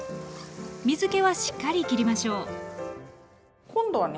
水けはしっかりきりましょう今度はね